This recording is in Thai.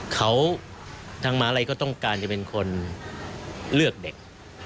เขาทางมาลัยก็ต้องการจะเป็นคนเลือกเด็ก